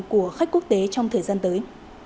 của khách quốc tế trong thời gian tới